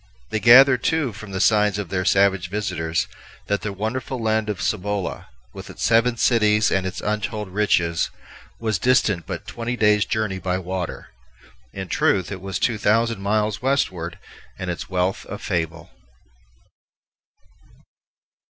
They gathered, too, from the signs of their savage visitors, that the wonderful land of Cibola, with its seven cities and its untold riches, was distant but twenty days' journey by water. In truth, it was two thousand miles westward, and its wealth a fable.